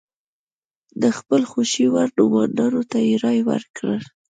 د خپل خوښې وړ نوماندانو ته رایه ورکړي.